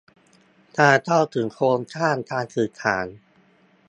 การเข้าถึงโครงข่ายการสื่อสาร